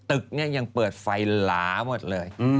ตึกเนี่ยยังเปิดไฟหลาหมดเลย